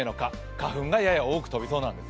花粉がやや多く飛びそうです。